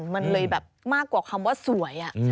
มันเลยแบบมากกว่าคำว่าสวย